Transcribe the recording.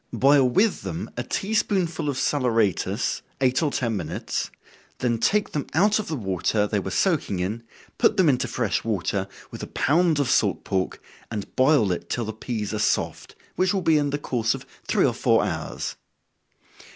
Boil with them a tea spoonful of saleratus, eight or ten minutes, then take them out of the water they were soaking in, put them into fresh water, with a pound of salt pork, and boil it till the peas are soft, which will be in the course of three or four hours.